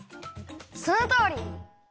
そのとおり！